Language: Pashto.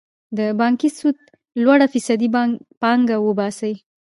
د بانکي سود لوړه فیصدي پانګه وباسي.